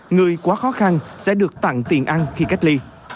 người quá khó khăn sẽ được tặng tiền ăn khi cách ly